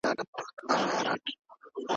که اورېدل کېږي نو شخړه نه زیاتېږي.